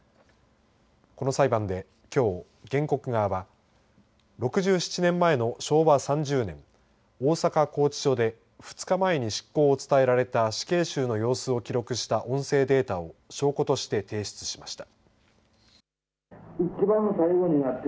この裁判で、きょう原告側は６７年前の昭和３０年大阪拘置所で２日前に執行を伝えられた死刑囚の様子を記録した音声データを証拠として提出しました。